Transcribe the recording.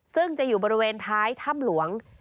ซึ่งจะอยู่บริเวณท้ายถ้ำหลวง